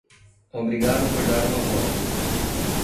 Obrigado por dar uma volta.